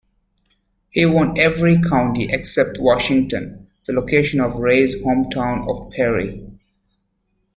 He won every county except Washington, the location of Raye's hometown of Perry.